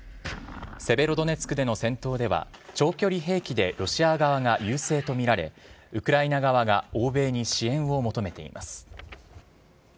セベロドネツクでの戦闘では、長距離兵器でロシア側が優勢と見られ、ウクライナ側が欧米に支援を求めています。